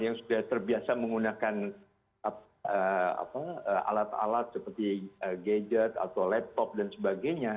yang sudah terbiasa menggunakan alat alat seperti gadget atau laptop dan sebagainya